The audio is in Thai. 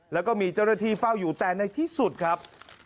และมีเจ้าหน้าที่เฝ้าอยู่แต่นักชีวิตในที่สุดครับ